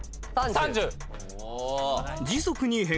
３０。